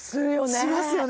しますよね。